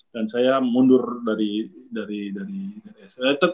dan saya mundur dari dari dari sm